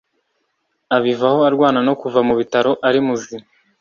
abivaho arwana nokuva mubitaro arimuzima